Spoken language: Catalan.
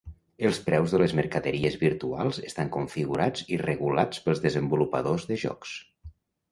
Els preus de les mercaderies virtuals estan configurats i regulats pels desenvolupadors de jocs.